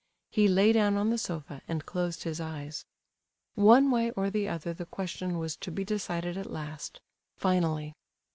He lay down on the sofa, and closed his eyes. One way or the other the question was to be decided at last—finally.